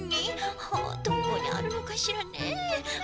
はあどこにあるのかしらねえ。